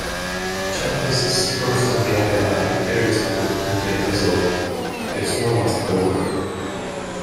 Chuckles's first on-camera appearance was in the episode "The Snow Must Go On".